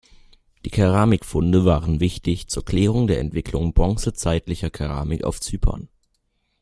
Die Keramikfunde waren wichtig zur Klärung der Entwicklung bronzezeitlicher Keramik auf Zypern.